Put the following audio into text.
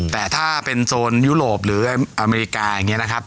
แต่ถ้าเป็นโซนยุโรปหรืออเมริกาอย่างนี้นะครับ